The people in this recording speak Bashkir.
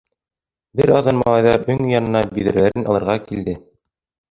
Бер аҙҙан малайҙар өң янына биҙрәләрен алырға килде.